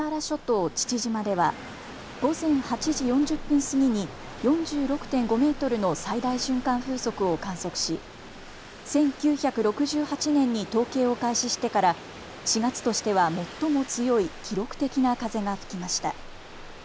小笠原諸島父島では、午前８時４０分過ぎに４６．５メートルの最大瞬間風速を観測し１９６８年に統計を開始してから４月としては最も強い記録的な風が吹きました。